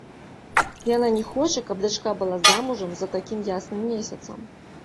Яна не хоча, каб дачка была замужам за такім ясным месяцам.